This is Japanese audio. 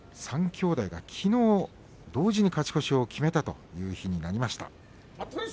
三兄弟きのう同時に勝ち越しを決めたという気になりました。